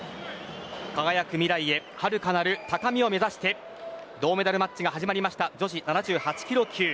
輝く未来へはるかなる高みを目指して銅メダルマッチが始まりました女子７８キロ級。